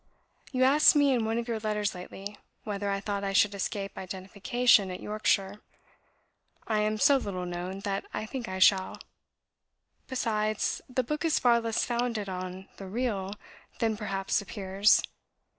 You asked me in one of your letters lately, whether I thought I should escape identification in Yorkshire. I am so little known, that I think I shall. Besides, the book is far less founded on the Real, than perhaps appears.